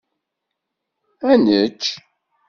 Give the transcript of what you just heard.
Ad nečč?